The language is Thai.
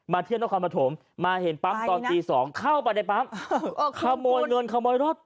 มาเที่ยวน้องความประถมมาเห็นปั๊มตอนตีสองเข้าไปในปั๊มเออขโมยเงินขโมยรถ